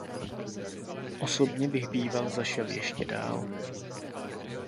Osobně bych býval zašel ještě dál.